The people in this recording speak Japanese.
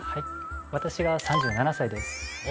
私が３７歳です。